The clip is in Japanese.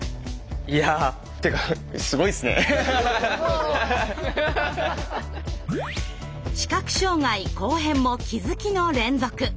お前は視覚障害後編も気づきの連続。